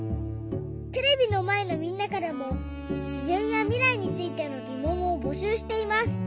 テレビのまえのみんなからもしぜんやみらいについてのぎもんをぼしゅうしています。